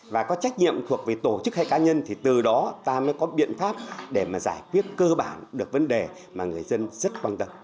và có trách nhiệm thuộc về tổ chức hay cá nhân thì từ đó ta mới có biện pháp để mà giải quyết cơ bản được vấn đề mà người dân rất quan tâm